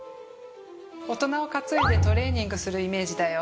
大人をかついでトレーニングするイメージだよ。